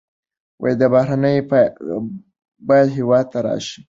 بهرنیان باید هېواد ته راشي.